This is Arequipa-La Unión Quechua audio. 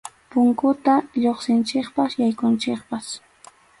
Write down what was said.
Punkunta lluqsinchikpas yaykunchikpas.